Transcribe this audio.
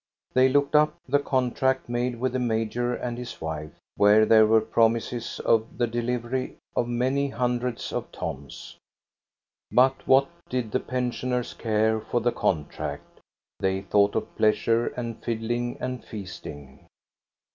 They looked up the contract made with the major and his wife, where there were promiises of the delivery of many hundreds of tons. But what did the pensioners care for the contract? They thought of pleasure and fiddling and feasting.